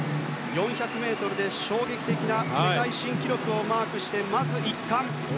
４００ｍで衝撃的な世界新記録をマークしてまず１冠。